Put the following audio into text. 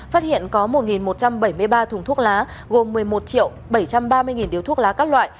phát hiện có một một trăm bảy mươi ba thùng thuốc lá gồm một mươi một bảy trăm ba mươi điếu thuốc lá các loại